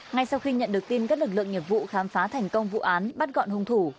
ngay sau khi nhận được tin các lực lượng nghiệp vụ khám phá thành công vụ án bắt gọn hung thủ